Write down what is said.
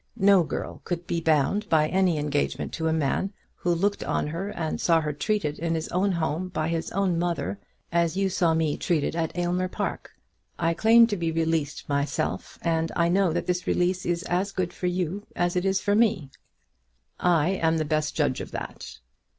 No girl could be bound by any engagement to a man who looked on and saw her treated in his own home, by his own mother, as you saw me treated at Aylmer Park. I claim to be released myself, and I know that this release is as good for you as it is for me." "I am the best judge of that."